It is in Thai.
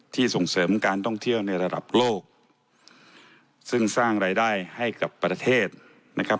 ส่งเสริมการท่องเที่ยวในระดับโลกซึ่งสร้างรายได้ให้กับประเทศนะครับ